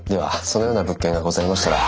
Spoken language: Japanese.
そのような物件がございましたら。